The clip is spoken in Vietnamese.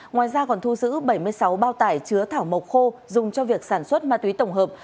ngoài ra còn thu giữ bảy mươi sáu bao tải chứa thảo mộc khô dùng cho việc sản xuất ma túy tổng hợp